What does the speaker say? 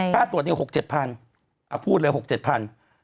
ค่าตรวจนี้๖๗๐๐๐บาทพูดเลย๖๗๐๐๐บาท